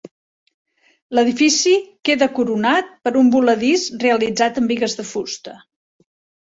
L'edifici queda coronat per un voladís realitzat amb bigues de fusta.